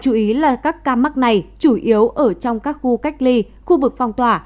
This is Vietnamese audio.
và các ca mắc này chủ yếu ở trong các khu cách ly khu vực phong tỏa